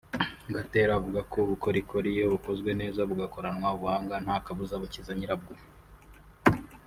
Gatera avuga ko ubukorikori iyo bukozwe neza bugakoranwa ubuhanga nta kabuza bukiza nyirabwo